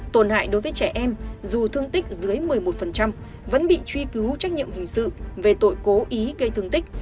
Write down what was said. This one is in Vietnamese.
tổn hại đối với trẻ em dù thương tích dưới một mươi một vẫn bị truy cứu trách nhiệm hình sự về tội cố ý gây thương tích